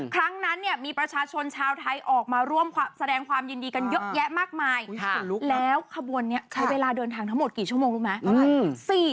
ครั้งนั้นเนี่ยมีประชาชนชาวไทยออกมาร่วมแสดงความยินดีกันเยอะแยะมากมายแล้วขบวนนี้ใช้เวลาเดินทางทั้งหมดกี่ชั่วโมงรู้ไหมเท่าไหร่